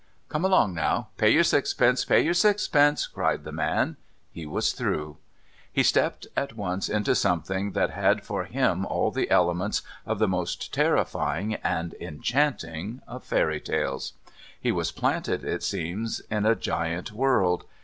"'Come along now... pay your sixpences... pay your sixpences," cried the man. He was through. He stepped at once into something that had for him all the elements of the most terrifying and enchanting of fairy tales. He was planted, it seemed, in a giant world.